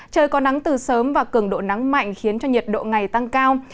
trời có nắng từ sớm và cường độ nắng mạnh khiến cho nhiệt độ ngày tăng cao